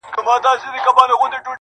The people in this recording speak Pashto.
سر تر نوکه لکه زرکه ښایسته وه!!